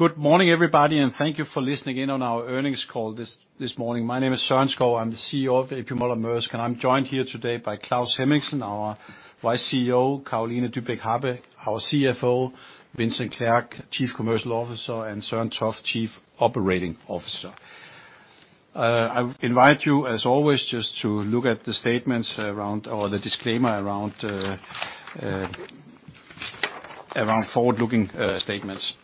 Good morning, everybody, and thank you for listening in on our earnings call this morning. My name is Søren Skou. I am the CEO of A.P. Moller - Maersk, and I am joined here today by Claus Hemmingsen, our Vice CEO, Carolina Dybeck Happe, our CFO, Vincent Clerc, Chief Commercial Officer, and Søren Toft, Chief Operating Officer. I invite you, as always, just to look at the disclaimer around forward-looking statements.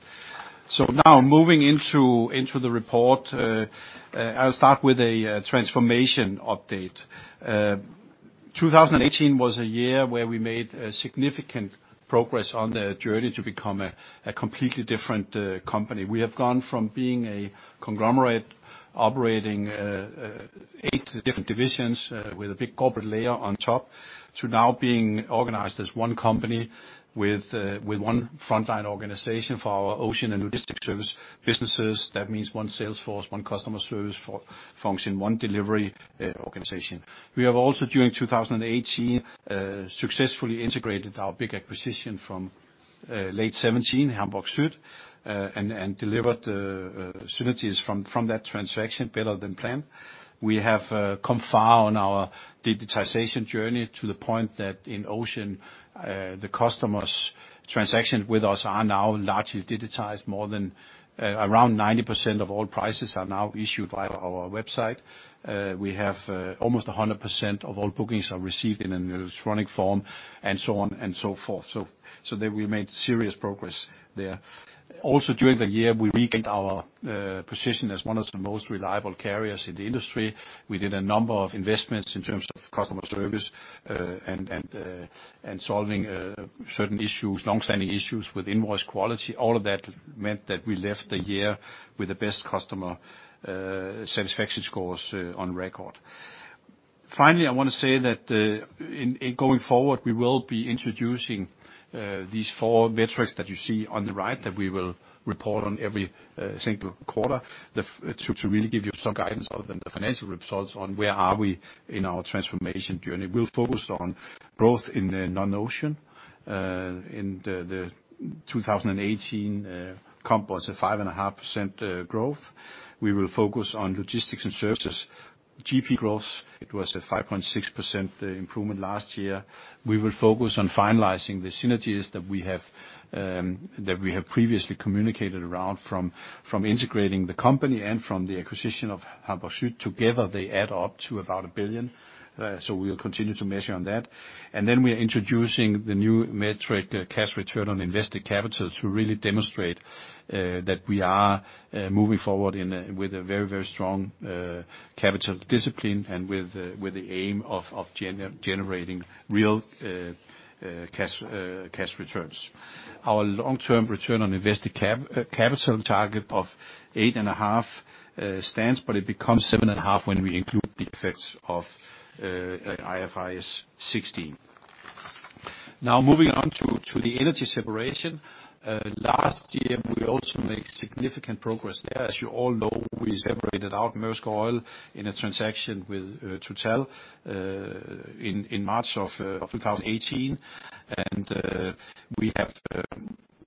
Moving into the report, I will start with the transformation update. 2018 was a year where we made significant progress on the journey to become a completely different company. We have gone from being a conglomerate operating eight different divisions with a big corporate layer on top, to now being organized as one company with one frontline organization for our ocean and logistic service businesses. That means one sales force, one customer service function, one delivery organization. We have also, during 2018, successfully integrated our big acquisition from late 2017, Hamburg Süd, and delivered the synergies from that transaction better than planned. We have come far on our digitization journey to the point that in ocean, the customers' transactions with us are now largely digitized. More than around 90% of all prices are now issued via our website. We have almost 100% of all bookings are received in an electronic form, and so on and so forth. We made serious progress there. Also, during the year, we regained our position as one of the most reliable carriers in the industry. We did a number of investments in terms of customer service and solving certain issues, longstanding issues with invoice quality. All of that meant that we left the year with the best customer satisfaction scores on record. Finally, I want to say that in going forward, we will be introducing these four metrics that you see on the right, that we will report on every single quarter to really give you some guidance other than the financial results on where are we in our transformation journey. We will focus on growth in the non-ocean. In 2018, comp was a 5.5% growth. We will focus on logistics and services GP growth. It was a 5.6% improvement last year. We will focus on finalizing the synergies that we have previously communicated around from integrating the company and from the acquisition of Hamburg Süd. Together, they add up to about a billion. We will continue to measure on that. We are introducing the new metric, cash return on invested capital, to really demonstrate that we are moving forward with a very, very strong capital discipline and with the aim of generating real cash returns. Our long-term return on invested capital target of 8.5% stands, but it becomes 7.5% when we include the effects of IFRS 16. Moving on to the energy separation. Last year, we also made significant progress there. As you all know, we separated out Maersk Oil in a transaction with Total in March of 2018. We have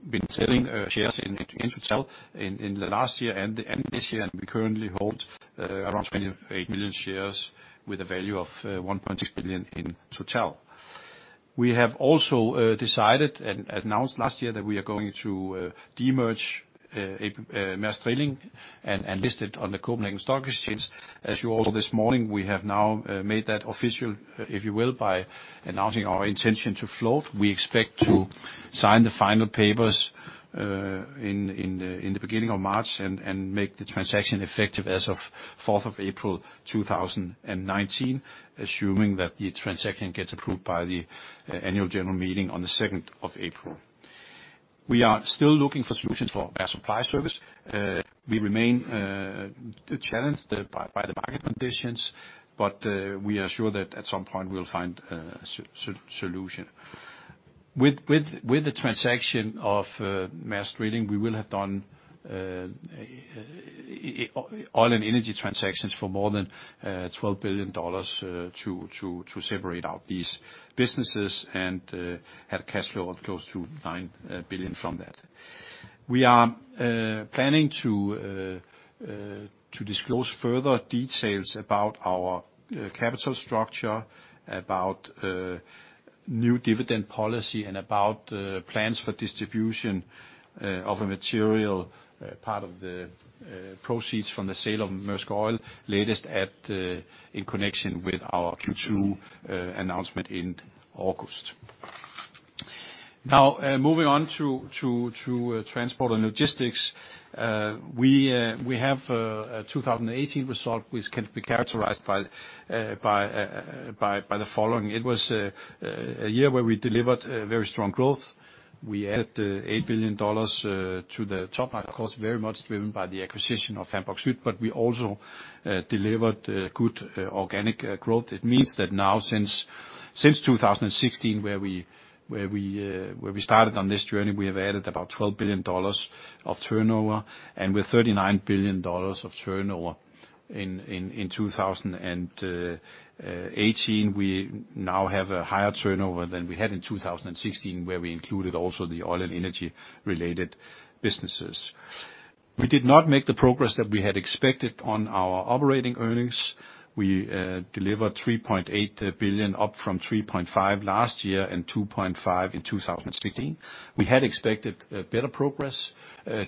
been selling shares in Total in the last year and this year, and we currently hold around 28 million shares with a value of 1.6 billion in Total. We have also decided and announced last year that we are going to demerge Maersk Drilling and list it on the Copenhagen Stock Exchange. As you all this morning, we have now made that official, if you will, by announcing our intention to float. We expect to sign the final papers in the beginning of March and make the transaction effective as of April 4th, 2019, assuming that the transaction gets approved by the annual general meeting on April 2nd. We are still looking for solutions for our supply service. We remain challenged by the market conditions, but we are sure that at some point, we'll find a solution. With the transaction of Maersk Drilling, we will have done oil and energy transactions for more than $12 billion to separate out these businesses and had a cash flow of close to $9 billion from that. We are planning to disclose further details about our capital structure, about new dividend policy, and about plans for distribution of a material part of the proceeds from the sale of Maersk Oil latest in connection with our Q2 announcement in August. Moving on to transport and logistics. We have a 2018 result which can be characterized by the following. It was a year where we delivered very strong growth. We added $8 billion to the top line, of course, very much driven by the acquisition of Hamburg Süd, but we also delivered good organic growth. It means that now since 2016, where we started on this journey, we have added about $12 billion of turnover. With $39 billion of turnover in 2018, we now have a higher turnover than we had in 2016, where we included also the oil and energy-related businesses. We did not make the progress that we had expected on our operating earnings. We delivered $3.8 billion, up from $3.5 billion last year and $2.5 billion in 2016. We had expected better progress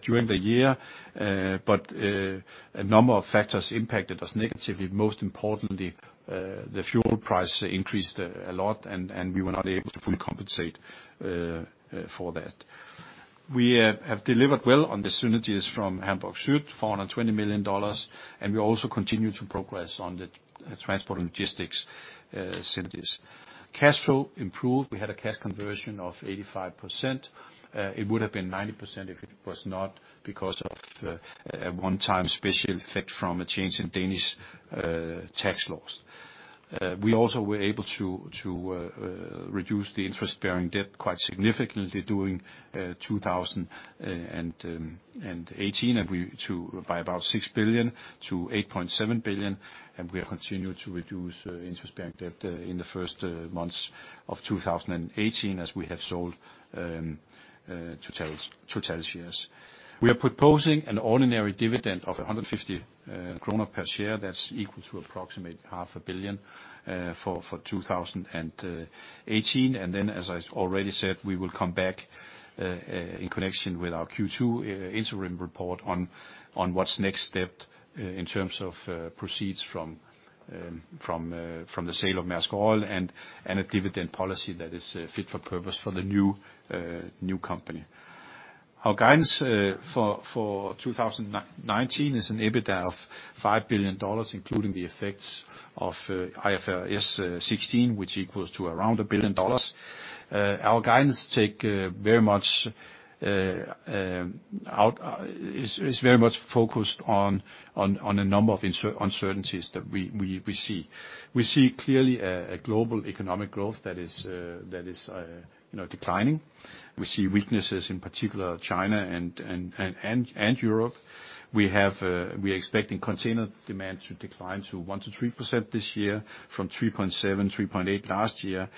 during the year, a number of factors impacted us negatively. Most importantly, the fuel price increased a lot, we were not able to fully compensate for that. We have delivered well on the synergies from Hamburg Süd, $420 million, we also continue to progress on the transport and logistics synergies. Cash flow improved. We had a cash conversion of 85%. It would have been 90% if it was not because of a one-time special effect from a change in Danish tax laws. We also were able to reduce the net interest-bearing debt quite significantly during 2018, by about 6 billion to 8.7 billion, we are continuing to reduce net interest-bearing debt in the first months of 2018 as we have sold Total shares. We are proposing an ordinary dividend of 150 kroner per share. That's equal to approximately half a billion DKK for 2018. As I already said, we will come back in connection with our Q2 interim report on what's next step in terms of proceeds from the sale of Maersk Oil and a dividend policy that is fit for purpose for the new company. Our guidance for 2019 is an EBITDA of $5 billion, including the effects of IFRS 16, which equals to around $1 billion. Our guidance is very much focused on a number of uncertainties that we see. We see clearly a global economic growth that is declining. We see weaknesses, in particular China and Europe. We are expecting container demand to decline to 1%-3% this year from 3.7, 3.8 last year.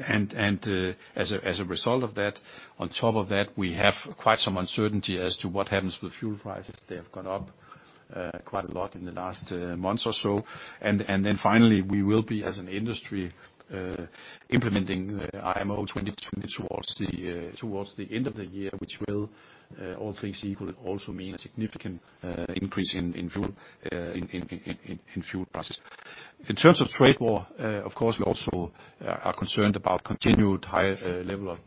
As a result of that, on top of that, we have quite some uncertainty as to what happens with fuel prices. They have gone up quite a lot in the last months or so. Then finally, we will be, as an industry, implementing IMO 2020 towards the end of the year, which will, all things equal, also mean a significant increase in fuel prices. In terms of trade war, of course, we also are concerned about continued high level of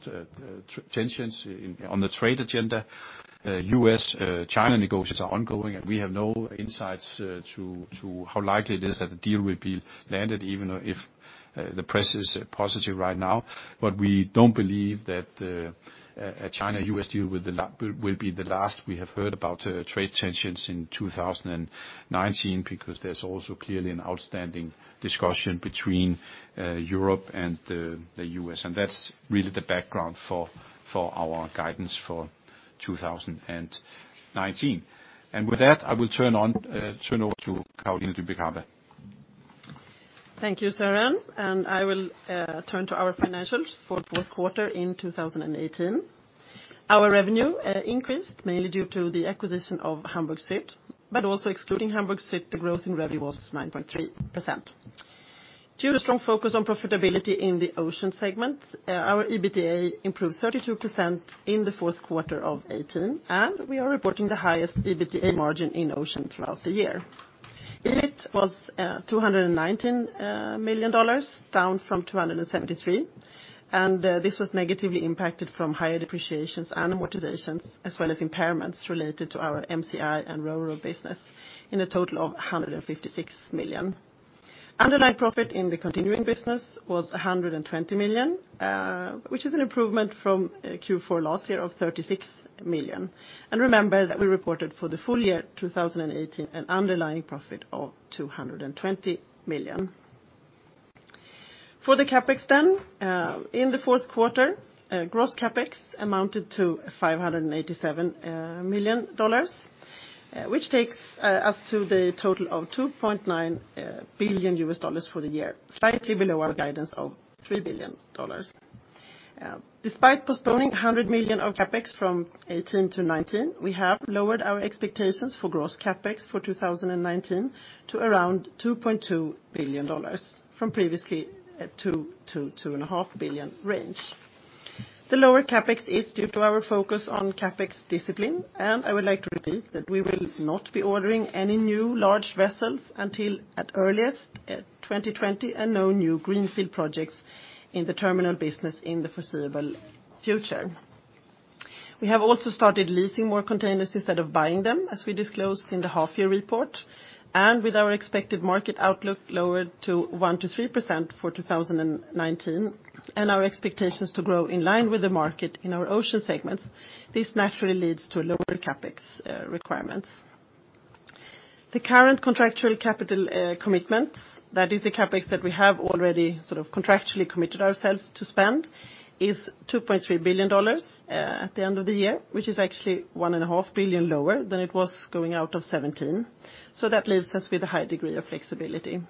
tensions on the trade agenda. U.S.-China negotiations are ongoing, and we have no insights as to how likely it is that a deal will be landed, even if the press is positive right now. We don't believe that a China-U.S. deal will be the last we have heard about trade tensions in 2019, because there's also clearly an outstanding discussion between Europe and the U.S. That's really the background for our guidance for 2019. With that, I will turn over to Carolina Dybeck Happe. Thank you, Søren, I will turn to our financials for fourth quarter in 2018. Our revenue increased mainly due to the acquisition of Hamburg Süd, but also excluding Hamburg Süd, the growth in revenue was 9.3%. Due to strong focus on profitability in the Ocean segment, our EBITDA improved 32% in the fourth quarter of 2018, we are reporting the highest EBITDA margin in Ocean throughout the year. EBIT was DKK 219 million, down from 273 million, this was negatively impacted from higher depreciations and amortizations, as well as impairments related to our MCI and RoRo business in a total of 156 million. Underlying profit in the continuing business was 120 million, which is an improvement from Q4 last year of 36 million. Remember that we reported for the full year 2018 an underlying profit of 220 million. For the CapEx, in the fourth quarter, gross CapEx amounted to DKK 587 million, which takes us to the total of DKK 2.9 billion for the year, slightly below our guidance of DKK 3 billion. Despite postponing DKK 100 million of CapEx from 2018 to 2019, we have lowered our expectations for gross CapEx for 2019 to around DKK 2.2 billion from previously to 2.5 billion range. The lower CapEx is due to our focus on CapEx discipline, I would like to repeat that we will not be ordering any new large vessels until at earliest 2020 and no new greenfield projects in the terminal business in the foreseeable future. We have also started leasing more containers instead of buying them, as we disclosed in the half-year report, and with our expected market outlook lowered to 1%-3% for 2019 and our expectations to grow in line with the market in our Ocean segments, this naturally leads to lower CapEx requirements. The current contractual capital commitments, that is the CapEx that we have already contractually committed ourselves to spend, is $2.3 billion at the end of the year, which is actually $1.5 billion lower than it was going out of 2017. That leaves us with a high degree of flexibility.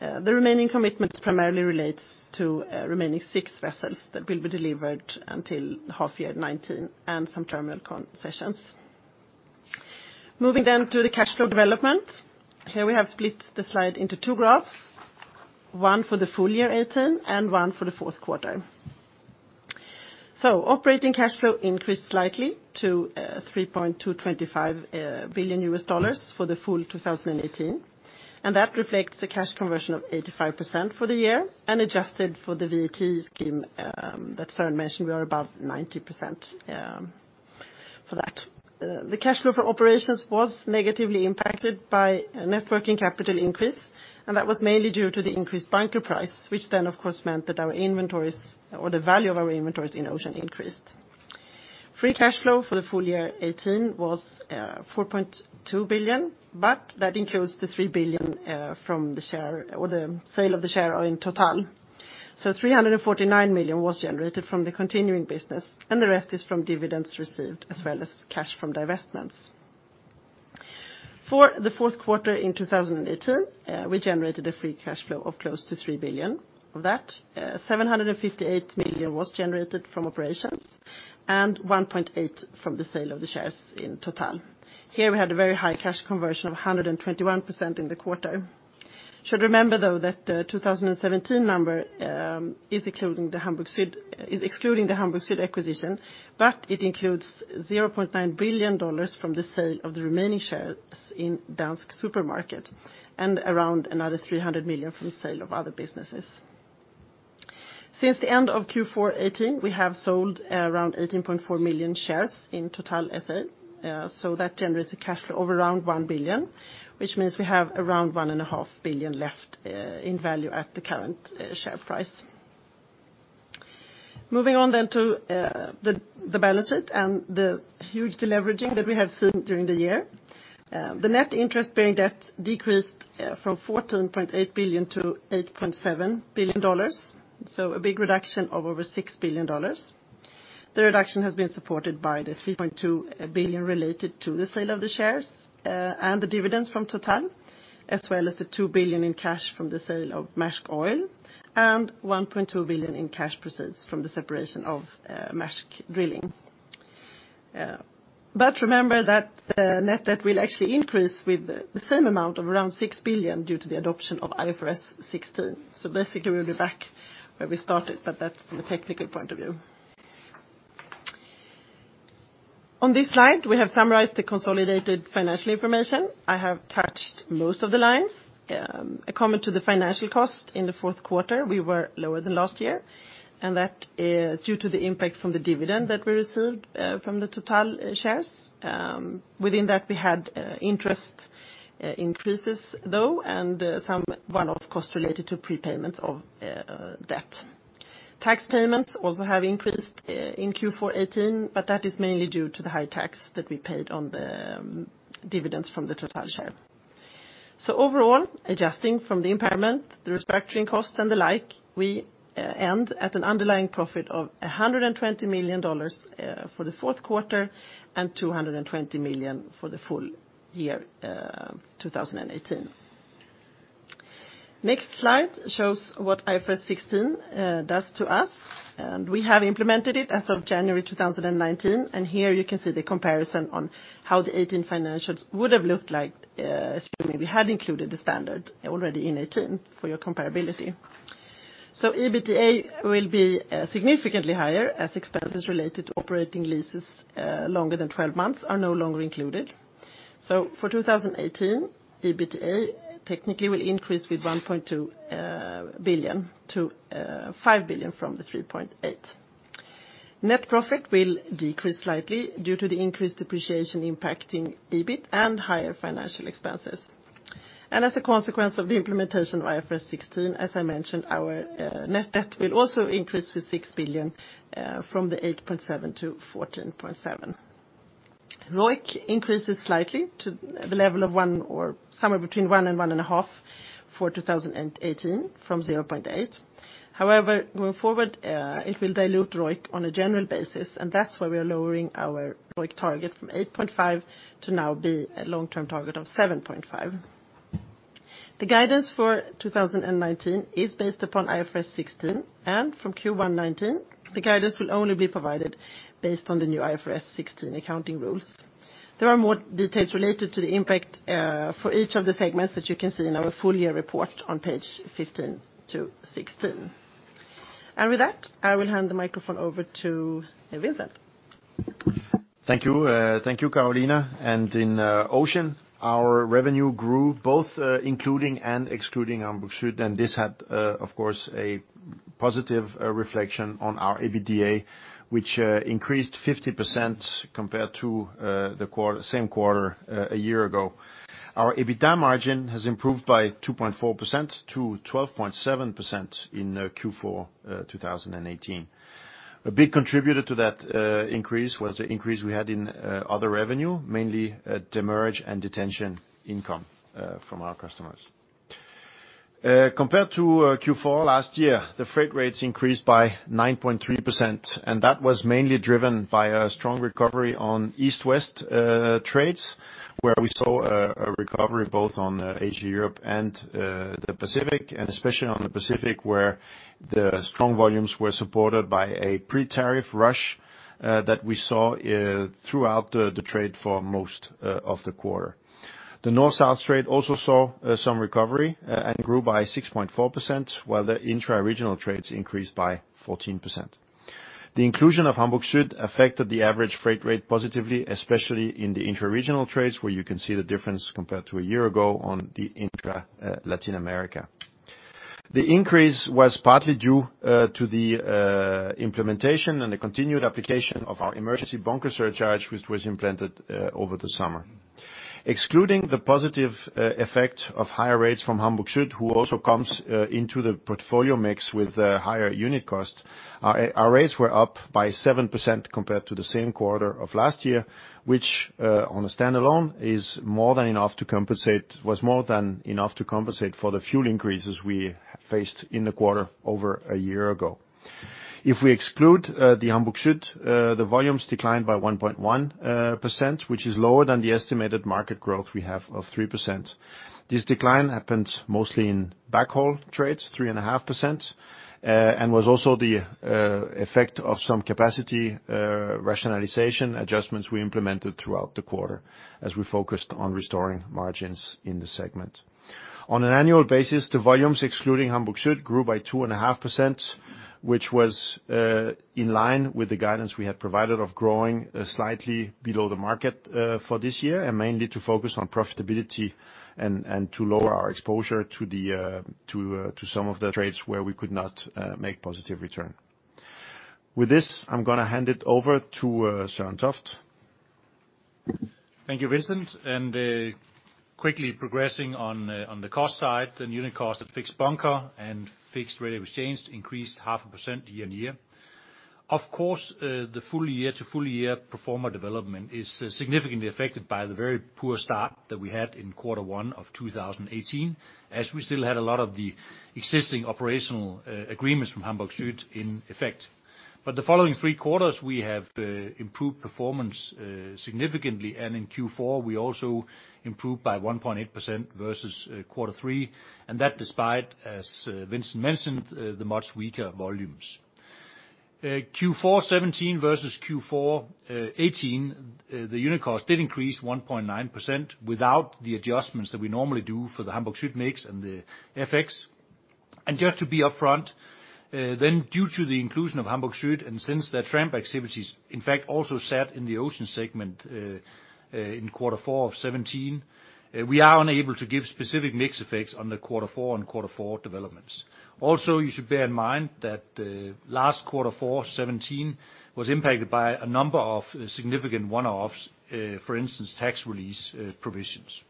The remaining commitments primarily relates to remaining six vessels that will be delivered until half year 2019 and some terminal concessions. Moving then to the cash flow development. Here we have split the slide into two graphs, one for the full year 2018 and one for the fourth quarter. Operating cash flow increased slightly to $3.225 billion for the full 2018, and that reflects the cash conversion of 85% for the year and adjusted for the VAT scheme that Søren mentioned, we are above 90% for that. The cash flow for operations was negatively impacted by a net working capital increase, and that was mainly due to the increased bunker price, which then of course meant that our inventories or the value of our inventories in Ocean increased. Free cash flow for the full year 2018 was $4.2 billion, that includes the $3 billion from the share or the sale of the share in Total. $349 million was generated from the continuing business, and the rest is from dividends received as well as cash from divestments. For the fourth quarter in 2018, we generated a free cash flow of close to $3 billion. Of that, $758 million was generated from operations and $1.8 billion from the sale of the shares in Total. Here we had a very high cash conversion of 121% in the quarter. Should remember though that the 2017 number is excluding the Hamburg Süd acquisition, but it includes $0.9 billion from the sale of the remaining shares in Dansk Supermarked and around another $300 million from the sale of other businesses. Since the end of Q4 2018, we have sold around 18.4 million shares in Total SE, that generates a cash flow of around $1 billion, which means we have around $1.5 billion left, in value at the current share price. Moving on then to the balance sheet and the huge deleveraging that we have seen during the year. The net interest-bearing debt decreased from $14.8 billion to $8.7 billion, so a big reduction of over $6 billion. The reduction has been supported by the $3.2 billion related to the sale of the shares, and the dividends from Total, as well as the $2 billion in cash from the sale of Maersk Oil and $1.2 billion in cash proceeds from the separation of Maersk Drilling. Remember that the net debt will actually increase with the same amount of around $6 billion due to the adoption of IFRS 16. Basically, we'll be back where we started, but that's from a technical point of view. On this slide, we have summarized the consolidated financial information. I have touched most of the lines. A comment to the financial cost in the fourth quarter, we were lower than last year, and that is due to the impact from the dividend that we received from the Total shares. Within that, we had interest increases, though, and some one-off cost related to prepayments of debt. Tax payments also have increased in Q4 2018, but that is mainly due to the high tax that we paid on the dividends from the Total share. Overall, adjusting from the impairment, the restructuring costs and the like, we end at an underlying profit of DKK 120 million for the fourth quarter and 220 million for the full year 2018. Next slide shows what IFRS 16 does to us, and we have implemented it as of January 2019, and here you can see the comparison on how the 2018 financials would have looked like, assuming we had included the standard already in 2018 for your comparability. EBITDA will be significantly higher as expenses related to operating leases longer than 12 months are no longer included. For 2018, EBITDA technically will increase with 1.2 billion to 5 billion from the 3.8 billion. Net profit will decrease slightly due to the increased depreciation impacting EBIT and higher financial expenses. As a consequence of the implementation of IFRS 16, as I mentioned, our net debt will also increase to 6 billion from the 8.7 billion to 14.7 billion. ROIC increases slightly to the level of one or somewhere between one and one and a half for 2018 from 0.8. However, going forward, it will dilute ROIC on a general basis, and that's why we are lowering our ROIC target from 8.5% to now be a long-term target of 7.5%. The guidance for 2019 is based upon IFRS 16 and from Q1 2019, the guidance will only be provided based on the new IFRS 16 accounting rules. There are more details related to the impact for each of the segments that you can see in our full year report on page 15 to 16. With that, I will hand the microphone over to Vincent. Thank you. Thank you, Carolina. In Ocean, our revenue grew both including and excluding Hamburg Süd and this had, of course, a positive reflection on our EBITDA, which increased 50% compared to the same quarter a year ago. Our EBITDA margin has improved by 2.4% to 12.7% in Q4 2018. A big contributor to that increase was the increase we had in other revenue, mainly demurrage and detention income from our customers. Compared to Q4 last year, the freight rates increased by 9.3%, and that was mainly driven by a strong recovery on east-west trades, where we saw a recovery both on Asia-Europe and the Pacific, and especially on the Pacific, where the strong volumes were supported by a pre-tariff rush that we saw throughout the trade for most of the quarter. The north-south trade also saw some recovery and grew by 6.4%, while the intra-regional trades increased by 14%. The inclusion of Hamburg Süd affected the average freight rate positively, especially in the intra-regional trades, where you can see the difference compared to a year ago on the intra Latin America. The increase was partly due to the implementation and the continued application of our emergency bunker surcharge, which was implemented over the summer. Excluding the positive effect of higher rates from Hamburg Süd, who also comes into the portfolio mix with higher unit costs, our rates were up by 7% compared to the same quarter of last year, which on a standalone was more than enough to compensate for the fuel increases we faced in the quarter over a year ago. If we exclude the Hamburg Süd, the volumes declined by 1.1%, which is lower than the estimated market growth we have of 3%. This decline happened mostly in backhaul trades, 3.5%, and was also the effect of some capacity rationalization adjustments we implemented throughout the quarter as we focused on restoring margins in the segment. On an annual basis, the volumes excluding Hamburg Süd grew by 2.5%, which was in line with the guidance we had provided of growing slightly below the market for this year, and mainly to focus on profitability and to lower our exposure to some of the trades where we could not make positive return. With this, I'm going to hand it over to Søren Toft. Thank you, Vincent. Quickly progressing on the cost side and unit cost of fixed bunker and fixed rate of exchange increased half a percent year-on-year. Of course, the full year to full year pro forma development is significantly affected by the very poor start that we had in quarter one of 2018, as we still had a lot of the existing operational agreements from Hamburg Süd in effect. The following three quarters, we have improved performance significantly, and in Q4, we also improved by 1.8% versus quarter three, and that despite, as Vincent mentioned, the much weaker volumes. Q4 2017 versus Q4 2018, the unit cost did increase 1.9% without the adjustments that we normally do for the Hamburg Süd mix and the FX. Just to be upfront, due to the inclusion of Hamburg Süd and since their tramp activities, in fact also sat in the ocean segment in quarter four of 2017, we are unable to give specific mix effects on the quarter four on quarter four developments. Also, you should bear in mind that last quarter four 2017 was impacted by a number of significant one-offs, for instance, tax release provisions.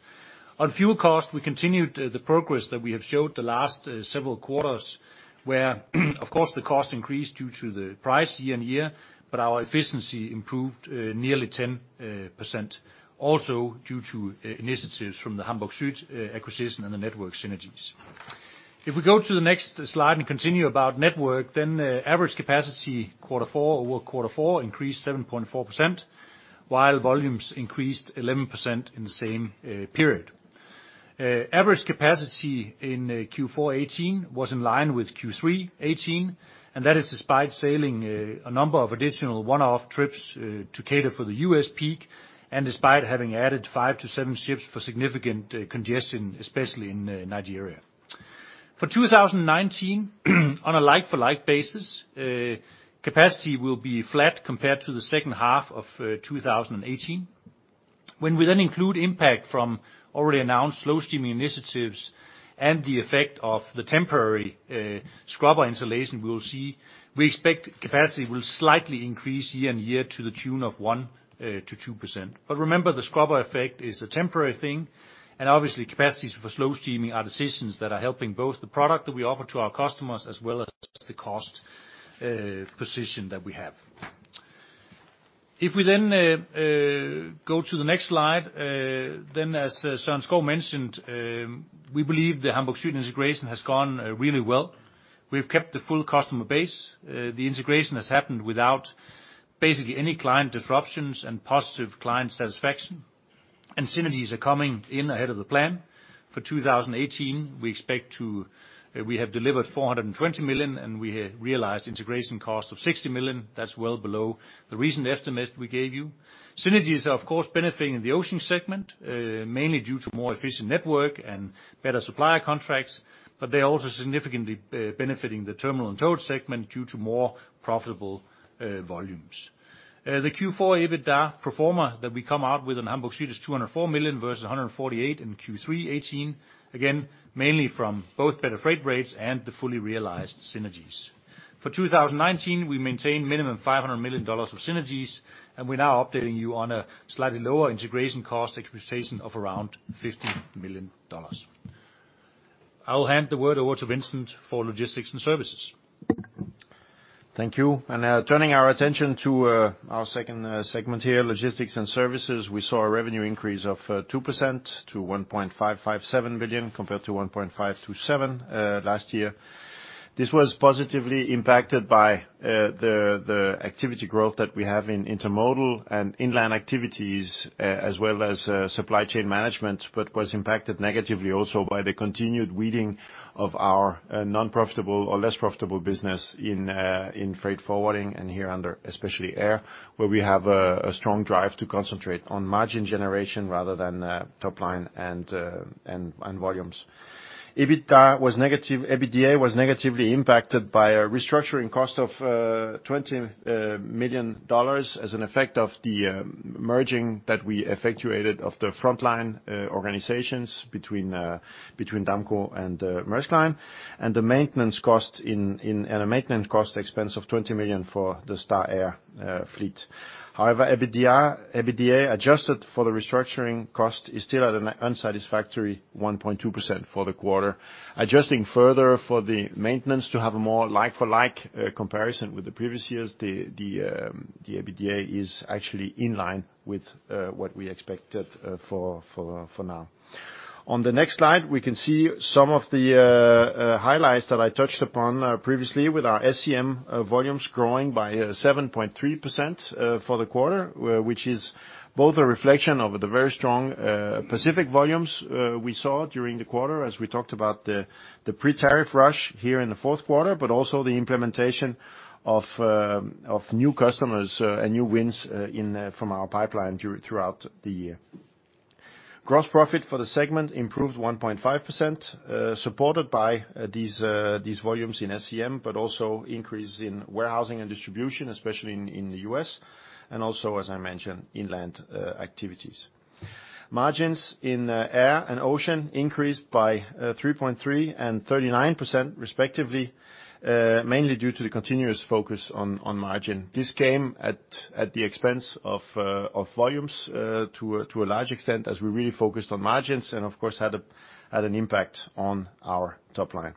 On fuel cost, we continued the progress that we have showed the last several quarters where of course the cost increased due to the price year-on-year, but our efficiency improved nearly 10%, also due to initiatives from the Hamburg Süd acquisition and the network synergies. If we go to the next slide and continue about network, average capacity quarter four over quarter four increased 7.4%, while volumes increased 11% in the same period. Average capacity in Q4 '18 was in line with Q3 '18. That is despite sailing a number of additional one-off trips to cater for the U.S. peak, and despite having added five to seven ships for significant congestion, especially in Nigeria. For 2019, on a like-for-like basis, capacity will be flat compared to the second half of 2018. When we include impact from already announced slow steaming initiatives and the effect of the temporary scrubber installation, we expect capacity will slightly increase year-on-year to the tune of 1%-2%. Remember, the scrubber effect is a temporary thing, and obviously, capacities for slow steaming are decisions that are helping both the product that we offer to our customers, as well as the cost position that we have. If we then go to the next slide, as Søren Skou mentioned, we believe the Hamburg Süd integration has gone really well. We've kept the full customer base. The integration has happened without basically any client disruptions and positive client satisfaction. Synergies are coming in ahead of the plan. For 2018, we have delivered 420 million, and we realized integration cost of 60 million. That's well below the recent estimate we gave you. Synergies are, of course, benefiting the ocean segment, mainly due to more efficient network and better supplier contracts, but they are also significantly benefiting the terminal and towage segment due to more profitable volumes. The Q4 EBITDA pro forma that we come out with in Hamburg Süd is 204 million versus 148 in Q3 '18, again, mainly from both better freight rates and the fully realized synergies. For 2019, we maintain minimum DKK 500 million of synergies, and we're now updating you on a slightly lower integration cost expectation of around DKK 50 million. I'll hand the word over to Vincent for logistics and services. Thank you. Now turning our attention to our second segment here, logistics and services. We saw a revenue increase of 2% to 1.557 billion, compared to 1.527 billion last year. This was positively impacted by the activity growth that we have in intermodal and inland activities, as well as supply chain management, but was impacted negatively also by the continued weeding of our non-profitable or less profitable business in freight forwarding, and here under especially air, where we have a strong drive to concentrate on margin generation rather than top line and volumes. EBITDA was negatively impacted by a restructuring cost of DKK 20 million as an effect of the merging that we effectuated of the frontline organizations between Damco and Maersk Line, and a maintenance cost expense of 20 million for the Star Air fleet. EBITDA adjusted for the restructuring cost is still at an unsatisfactory 1.2% for the quarter. Adjusting further for the maintenance to have a more like-for-like comparison with the previous years, the EBITDA is actually in line with what we expected for now. On the next slide, we can see some of the highlights that I touched upon previously with our SCM volumes growing by 7.3% for the quarter, which is both a reflection of the very strong Pacific volumes we saw during the quarter as we talked about the pre-tariff rush here in the fourth quarter, also the implementation of new customers and new wins from our pipeline throughout the year. Gross profit for the segment improved 1.5%, supported by these volumes in SCM, also increase in warehousing and distribution, especially in the U.S., and also, as I mentioned, inland activities. Margins in air and ocean increased by 3.3% and 39% respectively, mainly due to the continuous focus on margin. This came at the expense of volumes to a large extent as we really focused on margins and of course, had an impact on our top line.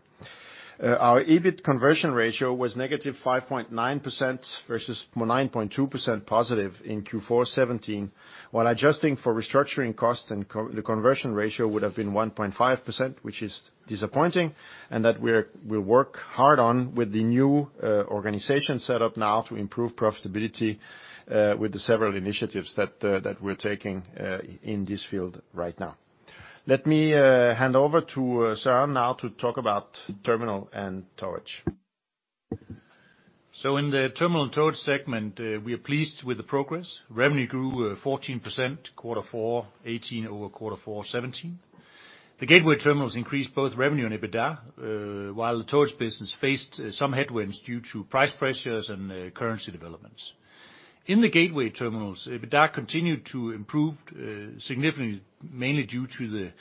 Our EBIT conversion ratio was -5.9% versus 9.2% positive in Q4 2017, while adjusting for restructuring costs and the conversion ratio would've been 1.5%, which is disappointing, and that we'll work hard on with the new organization set up now to improve profitability with the several initiatives that we're taking in this field right now. Let me hand over to Søren now to talk about terminal and towage. In the terminal and towage segment, we are pleased with the progress. Revenue grew 14% quarter four 2018 over quarter four 2017. The gateway terminals increased both revenue and EBITDA, while the towage business faced some headwinds due to price pressures and currency developments. In the gateway terminals, EBITDA continued to improve significantly, mainly due to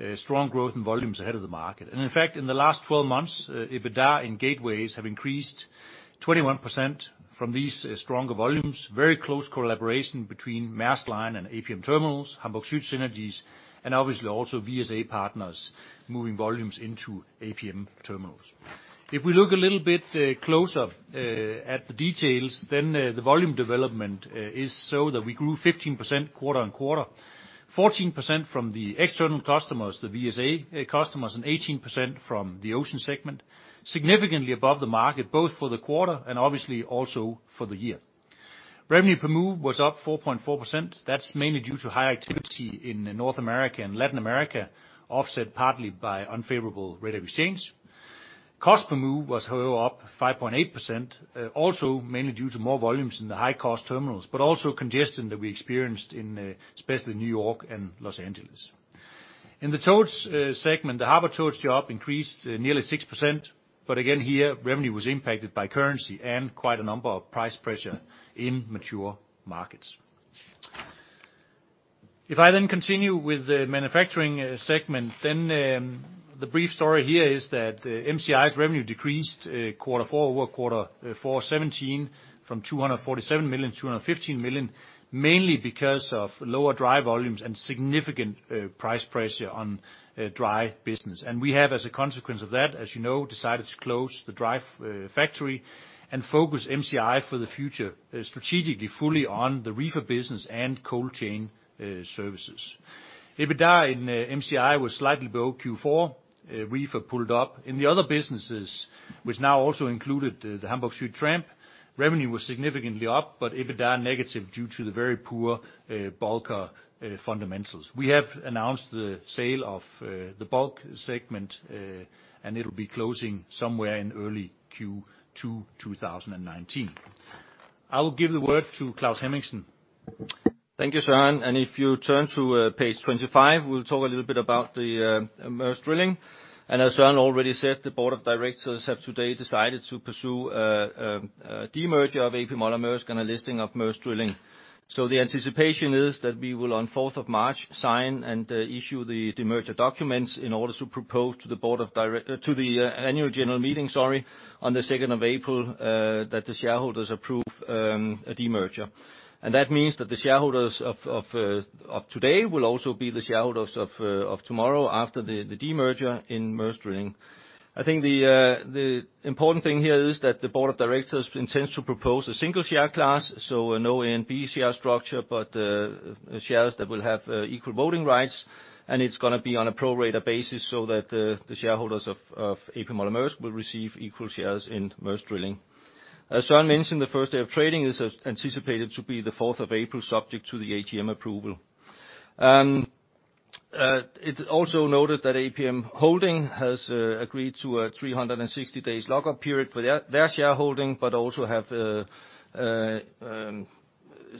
the strong growth in volumes ahead of the market. In fact, in the last 12 months, EBITDA and gateways have increased 21% from these stronger volumes. Very close collaboration between Maersk Line and APM Terminals, Hamburg Süd synergies, and obviously also VSA partners moving volumes into APM Terminals. If we look a little bit closer at the details, the volume development is so that we grew 15% quarter-on-quarter, 14% from the external customers, the VSA customers, and 18% from the ocean segment, significantly above the market, both for the quarter and obviously also for the year. Revenue per move was up 4.4%. That's mainly due to high activity in North America and Latin America, offset partly by unfavorable rate of exchange. Cost per move was up 5.8%, also mainly due to more volumes in the high-cost terminals, also congestion that we experienced in especially New York and Los Angeles. In the towage segment, the harbor towage job increased nearly 6%, again, here, revenue was impacted by currency and quite a number of price pressure in mature markets. If I continue with the manufacturing segment, the brief story here is that MCI's revenue decreased quarter four over quarter four 2017 from 247 million to 215 million, mainly because of lower dry volumes and significant price pressure on dry business. We have, as a consequence of that, as you know, decided to close the dry factory and focus MCI for the future strategically fully on the reefer business and cold chain services. EBITDA in MCI was slightly below Q4. Reefer pulled up. In the other businesses, which now also included the Hamburg Süd tramp, revenue was significantly up, but EBITDA negative due to the very poor bulker fundamentals. We have announced the sale of the bulk segment. It'll be closing somewhere in early Q2 2019. I'll give the word to Claus Hemmingsen. Thank you, Søren. If you turn to page 25, we'll talk a little bit about the Maersk Drilling. As Søren already said, the board of directors have today decided to pursue a demerger of A.P. Moller - Maersk and a listing of Maersk Drilling. The anticipation is that we will, on 4th of March, sign and issue the demerger documents in order to propose to the Annual General Meeting, sorry, on the 2nd of April, that the shareholders approve a demerger. That means that the shareholders of today will also be the shareholders of tomorrow after the demerger in Maersk Drilling. I think the important thing here is that the board of directors intends to propose a single share class, so no A and B share structure, but shares that will have equal voting rights, and it's going to be on a pro-rata basis so that the shareholders of A.P. Moller - Maersk will receive equal shares in Maersk Drilling. As Søren mentioned, the first day of trading is anticipated to be the 4th of April, subject to the AGM approval. It's also noted that APM Holding has agreed to a 360 days lock-up period for their shareholding, but also have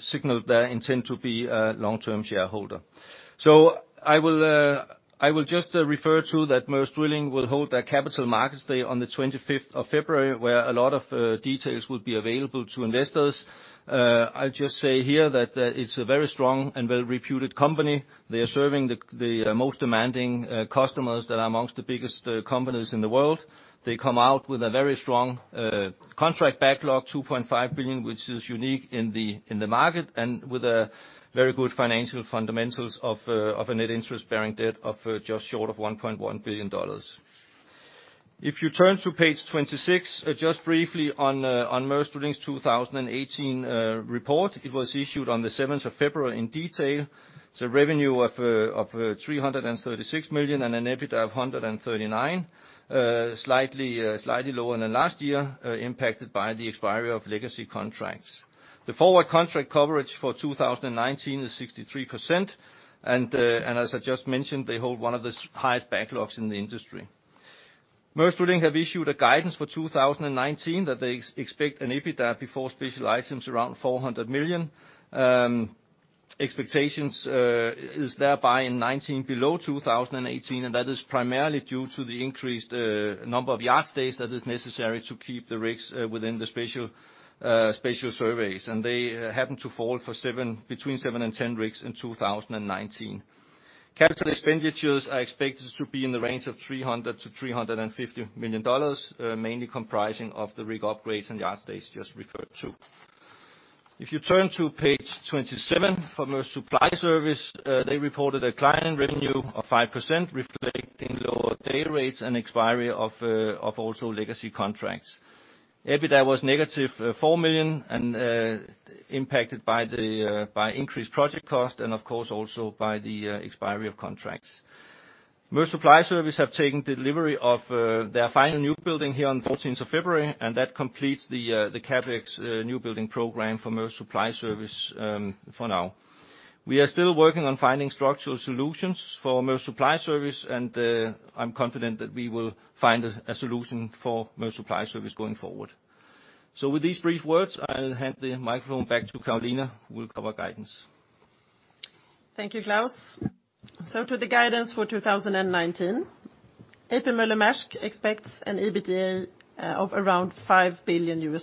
signaled their intent to be a long-term shareholder. I will just refer to that Maersk Drilling will hold their capital markets day on the 25th of February, where a lot of details will be available to investors. I'll just say here that it's a very strong and well-reputed company. They are serving the most demanding customers that are amongst the biggest companies in the world. They come out with a very strong contract backlog, $2.5 billion, which is unique in the market, and with a very good financial fundamentals of a net interest-bearing debt of just short of $1.1 billion. If you turn to page 26, just briefly on Maersk Drilling's 2018 report. It was issued on the 7th of February in detail. It's a revenue of 336 million and an EBITDA of 139 million, slightly lower than last year, impacted by the expiry of legacy contracts. The forward contract coverage for 2019 is 63%, and as I just mentioned, they hold one of the highest backlogs in the industry. Maersk Drilling have issued a guidance for 2019 that they expect an EBITDA before special items around 400 million. Expectations is thereby in 2019 below 2018, and that is primarily due to the increased number of yard stays that is necessary to keep the rigs within the special surveys. They happen to fall between 7 and 10 rigs in 2019. Capital expenditures are expected to be in the range of 300 million to DKK 350 million, mainly comprising of the rig upgrades and yard stays just referred to. If you turn to page 27 for Maersk Supply Service, they reported a decline in revenue of 5%, reflecting lower day rates and expiry of also legacy contracts. EBITDA was negative 4 million and impacted by increased project cost and of course also by the expiry of contracts. Maersk Supply Service have taken delivery of their final new building here on 14th of February, and that completes the CapEx new building program for Maersk Supply Service for now. We are still working on finding structural solutions for Maersk Supply Service, and I'm confident that we will find a solution for Maersk Supply Service going forward. With these brief words, I'll hand the microphone back to Carolina, who will cover guidance. Thank you, Claus. To the guidance for 2019. A.P. Moller - Maersk expects an EBITDA of around $5 billion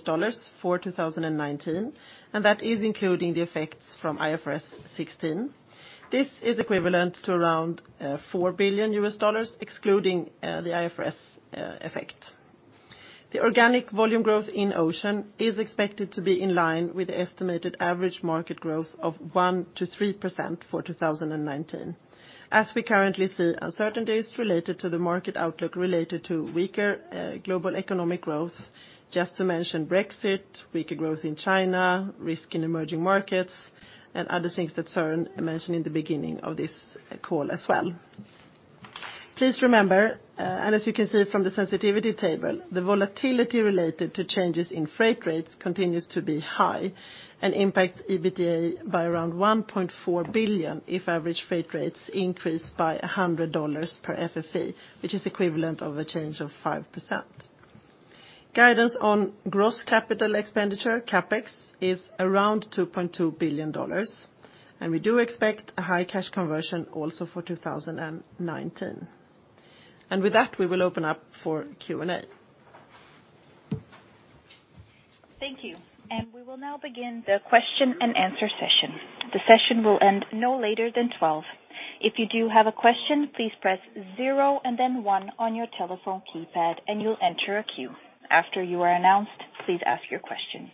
for 2019, and that is including the effects from IFRS 16. This is equivalent to around DKK 4 billion excluding the IFRS effect. The organic volume growth in Ocean is expected to be in line with the estimated average market growth of 1%-3% for 2019. As we currently see uncertainties related to the market outlook related to weaker global economic growth, just to mention Brexit, weaker growth in China, risk in emerging markets and other things that Søren mentioned in the beginning of this call as well. Please remember, as you can see from the sensitivity table, the volatility related to changes in freight rates continues to be high and impacts EBITDA by around 1.4 billion if average freight rates increase by DKK 100 per FFE, which is equivalent of a change of 5%. Guidance on gross capital expenditure, CapEx, is around DKK 2.2 billion, and we do expect a high cash conversion also for 2019. With that, we will open up for Q&A. Thank you. We will now begin the question and answer session. The session will end no later than 12:00. If you do have a question, please press zero and then one on your telephone keypad and you will enter a queue. After you are announced, please ask your question.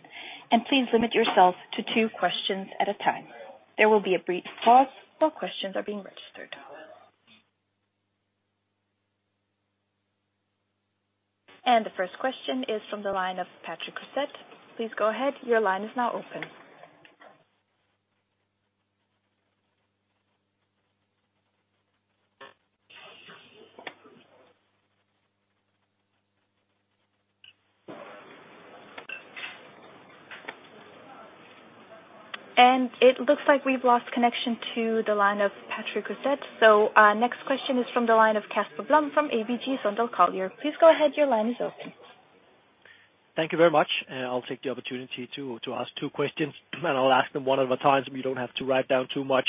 Please limit yourself to two questions at a time. There will be a brief pause while questions are being registered. The first question is from the line of Patrick Creuset. Please go ahead, your line is now open. It looks like we have lost connection to the line of Patrick Creuset, so our next question is from the line of Casper Blom from ABG Sundal Collier. Please go ahead, your line is open. Thank you very much. I will take the opportunity to ask two questions, and I will ask them one at a time so you do not have to write down too much.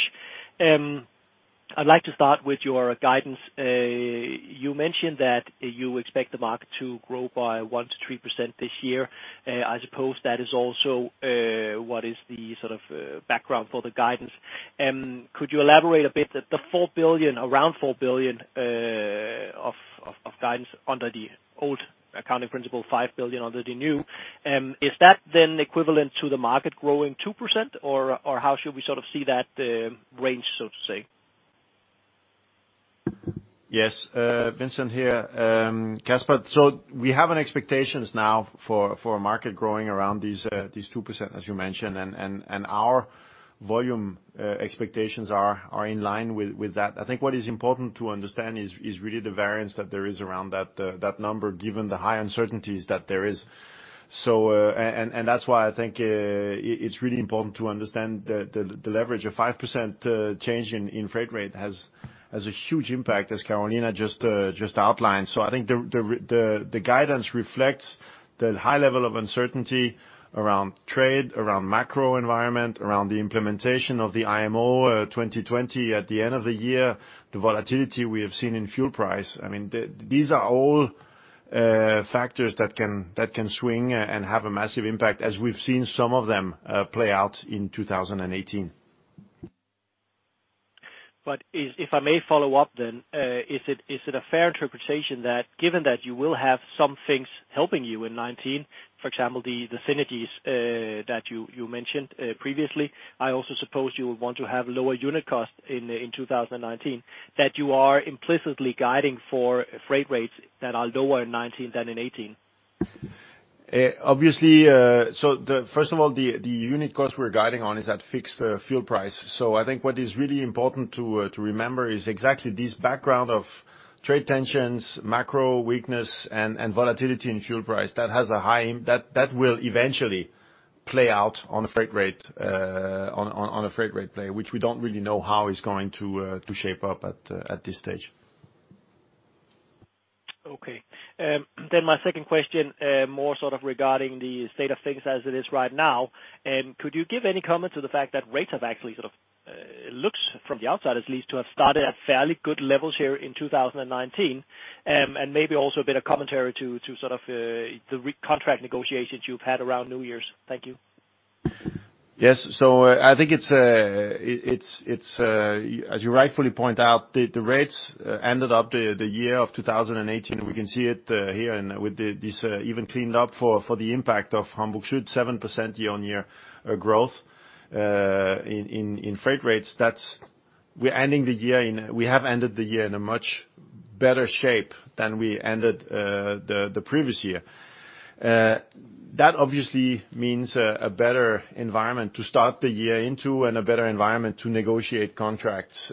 I would like to start with your guidance. You mentioned that you expect the market to grow by 1%-3% this year. I suppose that is also what is the sort of background for the guidance. Could you elaborate a bit that the around 4 billion of guidance under the old accounting principle, 5 billion under the new, is that then equivalent to the market growing 2%? How should we sort of see that range, so to say? Yes. Vincent here. Casper, we have an expectations now for a market growing around these 2%, as you mentioned, and our volume expectations are in line with that. I think what is important to understand is really the variance that there is around that number, given the high uncertainties that there is. That is why I think it is really important to understand the leverage of 5% change in freight rate has a huge impact, as Carolina just outlined. I think the guidance reflects the high level of uncertainty around trade, around macro environment, around the implementation of the IMO 2020 at the end of the year, the volatility we have seen in fuel price. These are all factors that can swing and have a massive impact, as we have seen some of them play out in 2018. If I may follow up then, is it a fair interpretation that given that you will have some things helping you in 2019, for example, the synergies that you mentioned previously, I also suppose you would want to have lower unit costs in 2019, that you are implicitly guiding for freight rates that are lower in 2019 than in 2018. Obviously. First of all, the unit cost we're guiding on is at fixed fuel price. I think what is really important to remember is exactly this background of trade tensions, macro weakness, and volatility in fuel price. That will eventually play out on a freight rate play, which we don't really know how it's going to shape up at this stage. Okay. My second question, more sort of regarding the state of things as it is right now. Could you give any comment to the fact that rates have actually sort of looks from the outside, at least, to have started at fairly good levels here in 2019, and maybe also a bit of commentary to sort of the recontract negotiations you've had around New Year's. Thank you. Yes. I think it's, as you rightfully point out, the rates ended up the year of 2018, and we can see it here and with this even cleaned up for the impact of Hamburg Süd 7% year-on-year growth, in freight rates. We have ended the year in a much better shape than we ended the previous year. That obviously means a better environment to start the year into and a better environment to negotiate contracts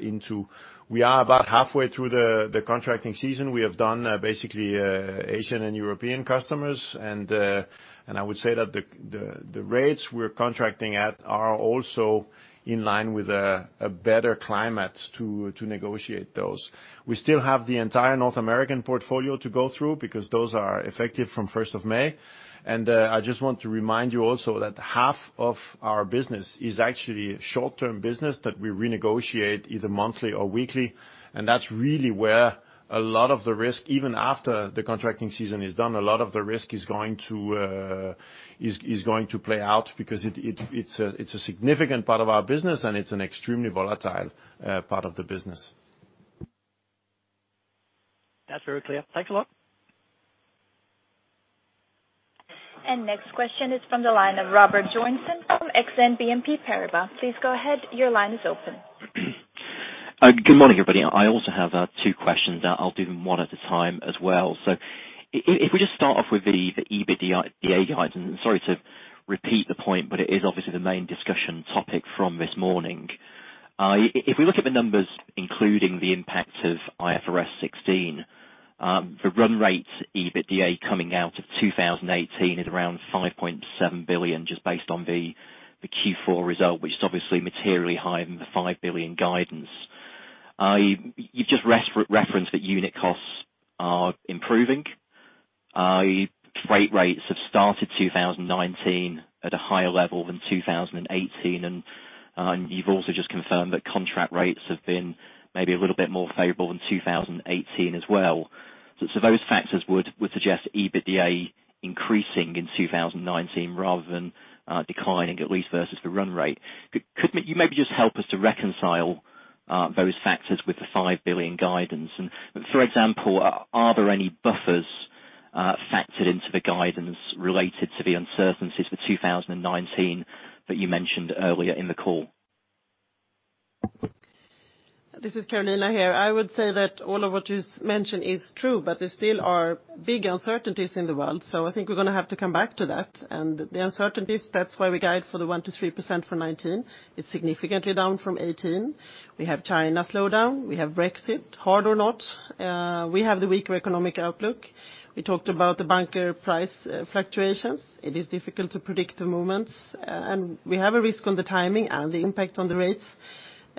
into. We are about halfway through the contracting season. We have done basically Asian and European customers, and I would say that the rates we're contracting at are also in line with a better climate to negotiate those. We still have the entire North American portfolio to go through because those are effective from 1st of May. I just want to remind you also that half of our business is actually short-term business that we renegotiate either monthly or weekly, and that's really where a lot of the risk, even after the contracting season is done, a lot of the risk is going to play out because it's a significant part of our business and it's an extremely volatile part of the business. That's very clear. Thanks a lot. Next question is from the line of Robert Johnson from Exane BNP Paribas. Please go ahead. Your line is open. Good morning, everybody. I also have two questions. I'll do them one at a time as well. If we just start off with the EBITDA guidance, and sorry to repeat the point, but it is obviously the main discussion topic from this morning. If we look at the numbers, including the impact of IFRS 16, the run rate EBITDA coming out of 2018 is around 5.7 billion, just based on the Q4 result, which is obviously materially higher than the 5 billion guidance. You've just referenced that unit costs are improving. Freight rates have started 2019 at a higher level than 2018. You've also just confirmed that contract rates have been maybe a little bit more favorable than 2018 as well. Those factors would suggest EBITDA increasing in 2019 rather than declining, at least versus the run rate. Could you maybe just help us to reconcile those factors with the 5 billion guidance? For example, are there any buffers factored into the guidance related to the uncertainties for 2019 that you mentioned earlier in the call? Carolina here. I would say that all of what you mentioned is true, there still are big uncertainties in the world, I think we're going to have to come back to that. The uncertainties, that's why we guide for the 1%-3% for 2019. It's significantly down from 2018. We have China slowdown. We have Brexit, hard or not. We have the weaker economic outlook. We talked about the bunker price fluctuations. It is difficult to predict the movements. We have a risk on the timing and the impact on the rates.